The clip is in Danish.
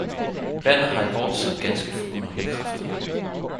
Vandet har i vor tid ganske forunderlige kræfter.